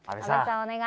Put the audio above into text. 「お願い！